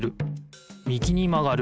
右にまがる。